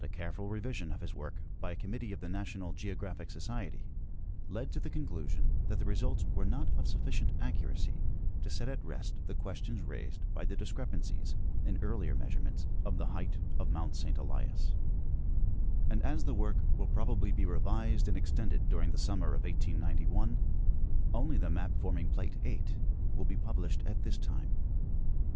careful revision of his work by a committee of the National Geographic Society led to the conclusion that the results were not of sufficient accuracy to set at rest the questions raised by the discrepancies in earlier measurements of the height of Mount St. Elias ; and as the work will probably be revised and extended during the summer of 1891, only the map forming plate 8 will be published at this time.